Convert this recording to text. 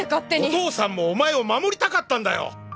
お父さんもお前を守りたかったんだよ！